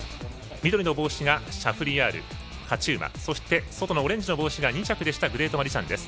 緑の帽子が、シャフリヤール勝ち馬そして、外のオレンジの帽子が２着でしたグレートマジシャンです。